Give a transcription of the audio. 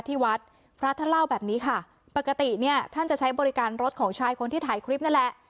ที่วัดพระท่านเล่าแบบนี้ค่ะปกติเนี่ยท่านจะใช้บริการรถของชายคนที่ถ่ายคลิปนั่นแหละ